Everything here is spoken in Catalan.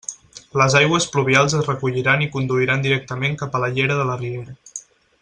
Les aigües pluvials es recolliran i conduiran directament cap a la llera de la riera.